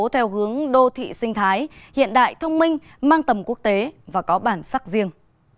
theo hướng đô thị sinh thái hiện đại thông minh mang tầm quốc tế và có bản sắc riêng